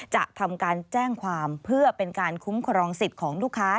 จะทำการแจ้งความเพื่อเป็นการคุ้มครองสิทธิ์ของลูกค้า